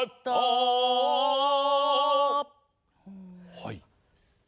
はい。